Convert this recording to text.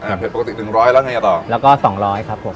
เผ็ดปกติหนึ่งร้อยแล้วไงอ่ะต่อแล้วก็สองร้อยครับผม